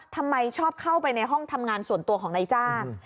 ทำไมชอบเข้าไปในห้องทำงานส่วนตัวของนายจ้าง